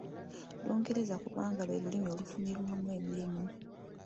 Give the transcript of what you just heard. Lungereza kubanga lwe lulimi olufunirwamu emirimu.